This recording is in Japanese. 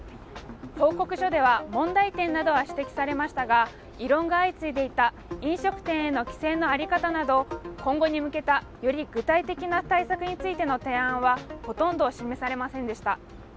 報告書では問題点などは指摘されましたが、異論が相次いでいた、飲食店への規制の在り方など今後に向けた、より具体的な対策についての提案はほとんど示されませんでした。